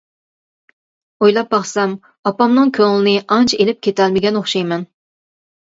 ئويلاپ باقسام ئاپامنىڭ كۆڭلىنى ئانچە ئېلىپ كېتەلمىگەن ئوخشايمەن.